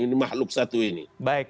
ini makhluk satu ini